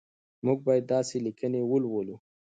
موږ باید داسې لیکنې ولولو.